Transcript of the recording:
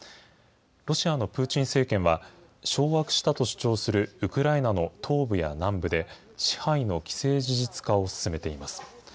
ロシアのプーチン政権は、掌握したと主張するウクライナの東部や南部で、支配の既成事実化を進めています。